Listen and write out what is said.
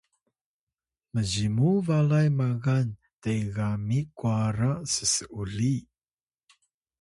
mzimu balay magan tegami kwara ss’uli